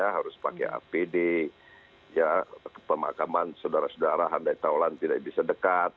harus pakai apd pemakaman saudara saudara handai taulan tidak bisa dekat